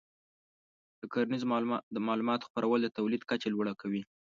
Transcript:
د کرنیزو معلوماتو خپرول د تولید کچه لوړه کوي.